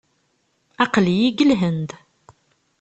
Aql-iyi deg Lhend.